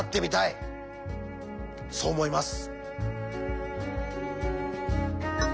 そう思います。